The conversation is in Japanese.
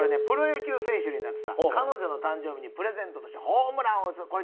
プロ野球選手になってさ彼女の誕生日にプレゼントとしてホームランを打つ。